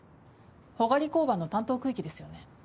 穂刈交番の担当区域ですよね？